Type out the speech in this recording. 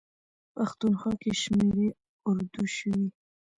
پښتونخوا کې شمېرې اردو شوي.